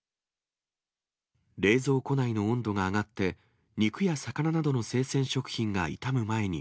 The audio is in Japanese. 冷蔵庫内の温度が上がって、肉や魚などの生鮮食品が傷む前に、